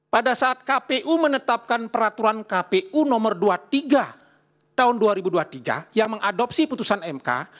pada saat kpu menetapkan peraturan kpu nomor dua puluh tiga tahun dua ribu dua puluh tiga yang mengadopsi putusan mk